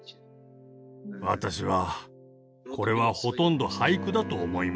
私はこれはほとんど俳句だと思いました。